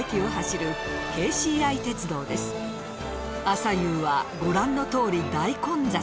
朝夕はご覧のとおり大混雑。